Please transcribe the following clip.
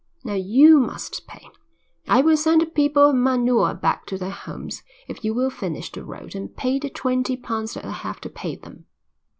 Now you must pay. I will send the people of Manua back to their homes if you will finish the road and pay the twenty pounds that I have to pay them."